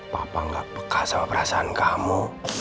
papa gak peka sama perasaan kamu